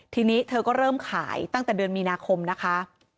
ทีนี้เธอก็เริ่มขายตั้งแต่เดือนมีนาคมนะคะ